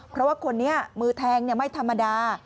เพราะว่าคนนี้มือแทงไม่ธรรมดา